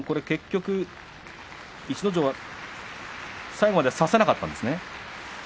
結局これは逸ノ城は最後まで差せなかったんですね。